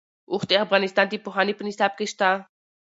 اوښ د افغانستان د پوهنې په نصاب کې شته.